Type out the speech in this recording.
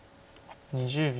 ２０秒。